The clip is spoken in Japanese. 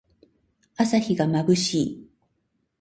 朝日がまぶしい。